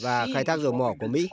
và khai thác dầu mỏ của mỹ